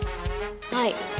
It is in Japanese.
はい。